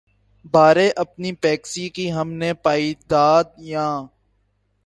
بارے‘ اپنی بیکسی کی ہم نے پائی داد‘ یاں